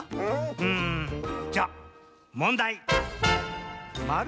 うんじゃもんだい！